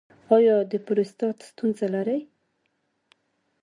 ایا د پروستات ستونزه لرئ؟